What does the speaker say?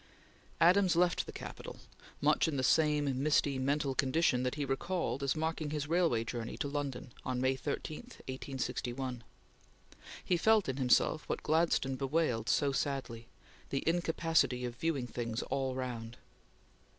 Adams left the Capitol, much in the same misty mental condition that he recalled as marking his railway journey to London on May 13, 1861; he felt in himself what Gladstone bewailed so sadly, "the incapacity of viewing things all round."